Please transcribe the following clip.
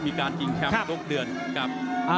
มีการชิงแชมป์ทุกเดือนครับ